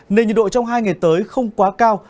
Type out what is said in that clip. nên nhiệt độ trong hai ngày tới không quá cao